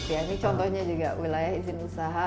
ya ini contohnya juga wilayah izin usaha